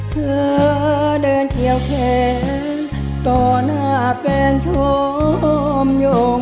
เธอเดินเกี่ยวแขนต่อหน้าแฟนชมโยง